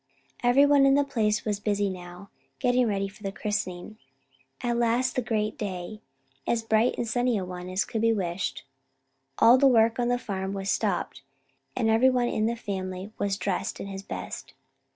Every one in the place was busy now, getting ready for the christening. At last came the great day, as bright and sunny a one as could be wished. All the work on the farm was stopped and every one in the family was dressed in his best.